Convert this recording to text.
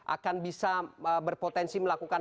akan bisa berpotensi melakukan